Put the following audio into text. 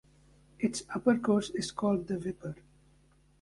Its upper course is called the Wipper.